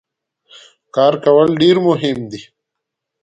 کار کول ډیر مهم دي.